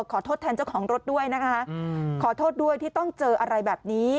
ขอโทษด้วยที่ต้องเจออะไรแบบนี้